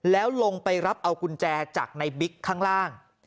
แล้วลงไปรับเอากุญแจจากในบิ๊กข้างล่าง